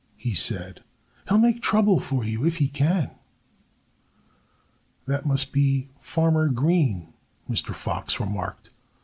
he said. "He'll make trouble for you if he can." "That must be Farmer Green," Mr. Fox remarked.